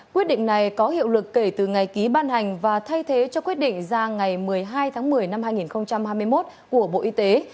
quyết định này có hiệu lực kể từ ngày ký ban hành và thay thế cho quyết định ra ngày một mươi hai tháng một mươi năm hai nghìn hai mươi một của bộ y tế